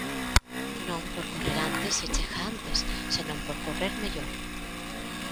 Non por correr antes se chega antes, senón por correr mellor.